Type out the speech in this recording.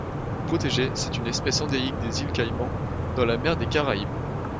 Protégée, c'est une espèce endémique des îles Caïmans dans la mer des Caraïbes.